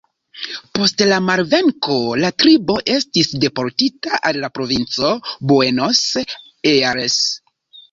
Post la malvenko la tribo estis deportita al la provinco Buenos Aires.